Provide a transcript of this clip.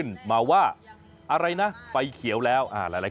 ก็อย่าลืมให้กำลังใจเมย์ในรายการต่อไปนะคะ